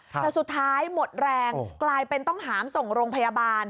แต่สุดท้ายหมดแรงกลายเป็นต้องหามส่งโรงพยาบาล